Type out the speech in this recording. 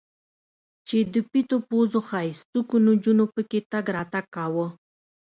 چې د پيتو پوزو ښايستوکو نجونو پکښې تګ راتګ کاوه.